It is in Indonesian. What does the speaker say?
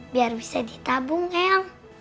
biar bisa ditabung eyang